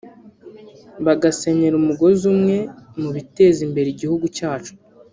bagasenyera umugozi umwe mu biteza imbere igihugu cyacu